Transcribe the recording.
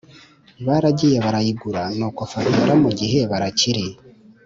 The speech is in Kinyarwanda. baragiye barayigura nuko fabiora mugihe barakiri